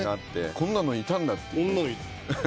こんなのいたんだっていうね。